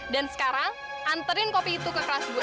dan sekarang anterin kopi itu ke kelas gue